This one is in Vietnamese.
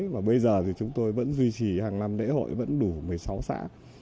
và bây giờ thì chúng tôi vẫn duy trì hàng năm lễ hội vẫn đủ một mươi sáu xã